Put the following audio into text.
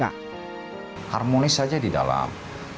harmonis aja di dalam